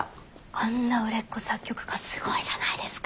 あんな売れっ子作曲家すごいじゃないですか！